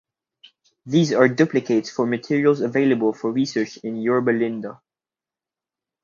These are duplicates of material available for research in Yorba Linda.